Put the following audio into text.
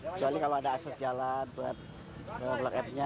kecuali kalau ada aset jalan